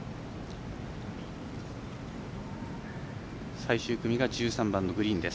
最終組が１３番のグリーンです。